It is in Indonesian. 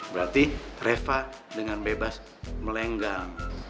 berarti reva dengan bebas melenggang